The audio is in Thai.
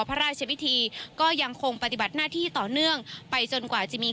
พระราชพิธีก็ยังคงปฏิบัติหน้าที่ต่อเนื่องไปจนกว่าจะมี